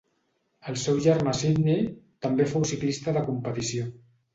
El seu germà Sydney també fou ciclista de competició.